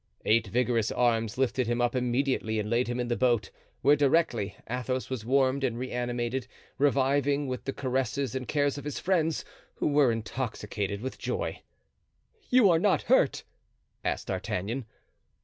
Eight vigorous arms lifted him up immediately and laid him in the boat, where directly Athos was warmed and reanimated, reviving with the caresses and cares of his friends, who were intoxicated with joy. "You are not hurt?" asked D'Artagnan.